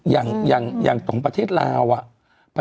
อย่างหยังอย่างสองแปลเทศลาวน่ะ